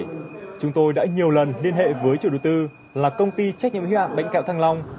là công ty trách nhiệm hiệu ảnh đánh kẹo thăng long